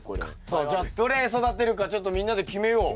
さあじゃあどれ育てるかちょっとみんなで決めよう。